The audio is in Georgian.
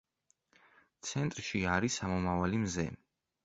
ცენტრში არის ამომავალი მზე.